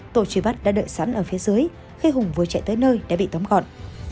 tổ truy bắt đã đợi sẵn ở phía dưới khi hùng vừa chạy tới nơi đã bị tóm gọn